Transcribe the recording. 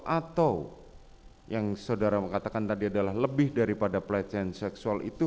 atau yang saudara katakan tadi adalah lebih daripada pelecehan seksual itu